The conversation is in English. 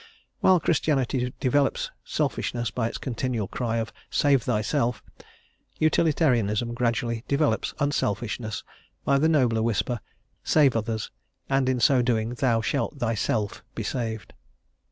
While Christianity developes selfishness by its continual cry of "Save thyself," Utilitarianism gradually developes unselfishness by the nobler whisper, "Save others, and in so doing thou shalt thyself be saved."